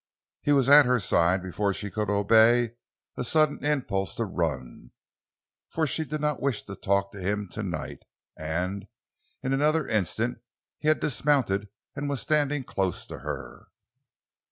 He was at her side before she could obey a sudden impulse to run—for she did not wish to talk to him tonight—and in another instant he had dismounted and was standing close to her.